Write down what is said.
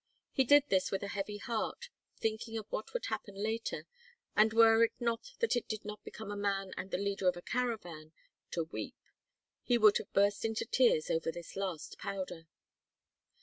He did this with a heavy heart, thinking of what would happen later, and were it not that it did not become a man and the leader of a caravan to weep, he would have burst into tears over this last powder.